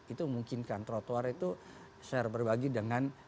itu memungkinkan trotoar itu share berbagi dengan